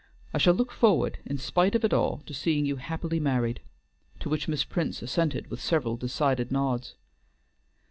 I shall look forward in spite of it all to seeing you happily married." To which Miss Prince assented with several decided nods.